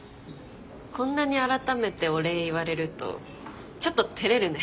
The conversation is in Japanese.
こんなにあらためてお礼言われるとちょっと照れるね。